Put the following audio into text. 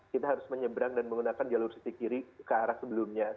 kita harus menyeberang dan menggunakan jalur sisi kiri ke arah sebelumnya